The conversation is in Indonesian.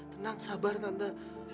tenang sabar tante